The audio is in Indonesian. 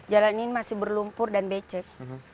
jalan ini masih berlumpur dan becek